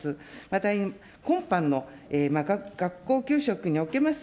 また今般の学校給食におきます